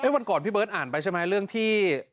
วันก่อนพี่เบิร์ตอ่านไปใช่ไหมเรื่องที่